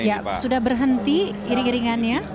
ya sudah berhenti kering keringannya